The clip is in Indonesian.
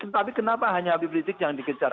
tapi kenapa hanya api pelicik yang dikejar